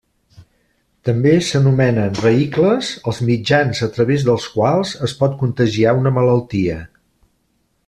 També s'anomenen vehicles els mitjans a través dels quals es pot contagiar una malaltia.